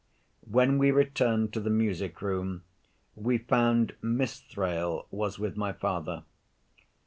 When we returned to the music room, we found Miss Thrale was with my father.